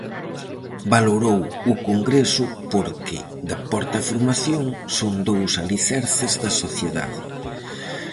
Valorou o congreso porque "deporte e formación, son dous alicerces da sociedade".